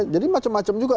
jadi macam macam juga